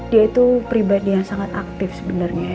dia itu pribadi yang sangat aktif sebenarnya